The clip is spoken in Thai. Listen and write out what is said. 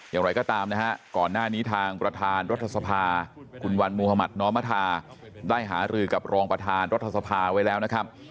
อย่างไรก็ตามนะฮะก่อนหน้านี้ทางประธานรัฐสภาคุณวันมุธมัธนอมธาได้หารือกับรองประธานรัฐสภาไว้แล้วนะครับ